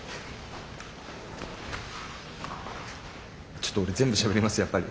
ちょっと俺全部しゃべりますやっぱり。